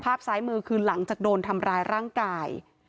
ซ้ายมือคือหลังจากโดนทำร้ายร่างกาย